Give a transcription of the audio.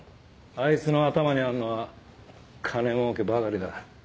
あいつの頭にあるのは金もうけばかりだ。